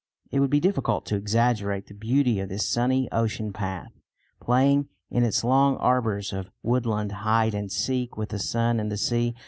It would be difficult to exaggerate the beauty of this sunny ocean path, playing, in its long arbours of woodland, hide and seek with the sun and the sea.